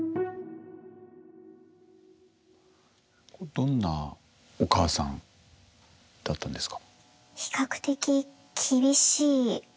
どんなお母さんだったんですか？